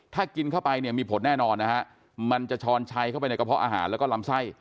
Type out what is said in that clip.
ถ้ากินเข้าไปเนี่ยมีผลแน่นอนนะฮะมันจะช้อนชัยเข้าไปในกระเพาะอาหารแล้วก็ลำไส้